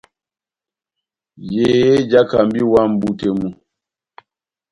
Yehé jáhákamba iwa mʼbú tɛ́h mú.